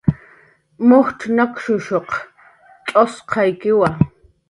Mujcx nakshutaq tz'usqaykiwa